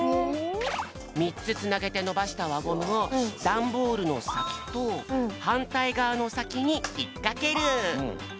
みっつつなげてのばしたわゴムをダンボールのさきとはんたいがわのさきにひっかける！